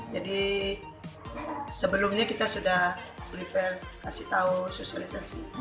jadi sebelumnya kita sudah beri tahu kasih tahu sosialisasi